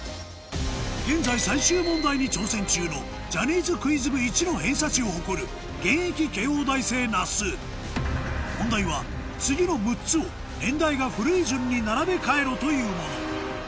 現在最終問題に挑戦中のジャニーズクイズ部一の偏差値を誇る現役慶応大生那須問題は次の６つをというもの